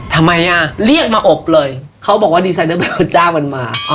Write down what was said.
ทำไมอ่ะเรียกมาอบเลยเขาบอกว่าดีไซเนอร์มันมาอ๋อ